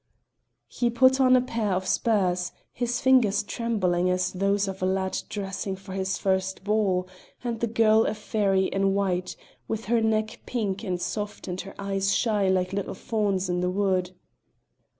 He put on a pair of spurs, his fingers trembling as those of a lad dressing for his first ball, and the girl a fairy in white, with her neck pink and soft and her eyes shy like little fawns in the wood.